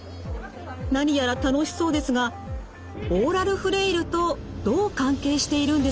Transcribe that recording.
何やら楽しそうですがオーラルフレイルとどう関係しているんでしょう？